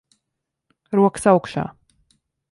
Rokas augšā.